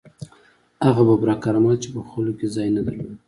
هغه ببرک کارمل چې په خلکو کې ځای نه درلود.